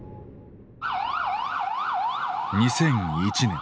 ２００１年。